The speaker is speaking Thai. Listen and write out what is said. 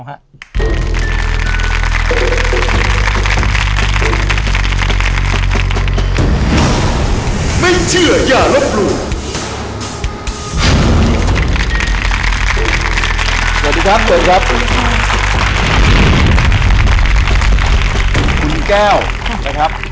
ไม่เชื่ออย่ารบหลู่